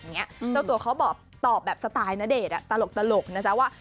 เจ้าตัวเขาบอกตอบแบบสไตล์ณเดชน์ตลกนะจ๊ะว่า